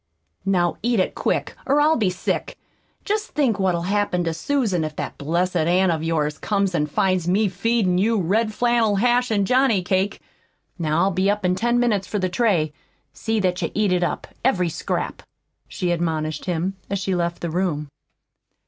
"Now, eat it quick, or I'll be sick! Jest think what'll happen to Susan if that blessed aunt of yours comes an' finds me feedin' you red flannel hash an' johnny cake! Now I'll be up in ten minutes for the tray. See that you eat it up every scrap," she admonished him, as she left the room.